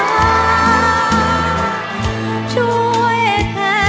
หัวใจเหมือนไฟร้อน